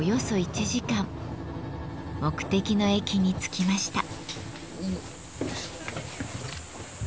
目的の駅に着きました。